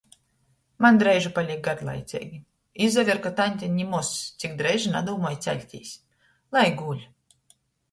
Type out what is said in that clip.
Maņ dreiži palīk garlaiceigi. Izaver, ka taņte nimoz cik dreiži nadūmoj ceļtīs! Lai guļ!